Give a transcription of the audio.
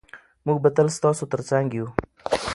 موږ به تل ستاسو ترڅنګ یو.